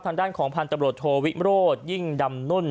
ทางด้านของพันธบรวจโทวิโรธยิ่งดำนุ่น